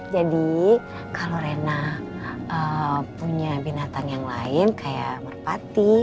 jadi kalau rina punya binatang yang lain kayak merpati